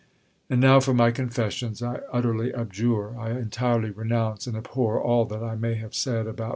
And now for my confessions. I utterly abjure, I entirely renounce and abhor, all that I may have said about M.